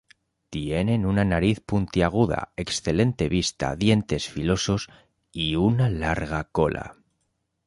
Tienen una nariz puntiaguda, excelente vista, dientes filosos, y una larga cola.